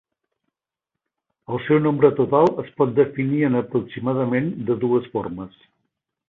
El seu nombre total es pot definir en aproximadament de dues formes.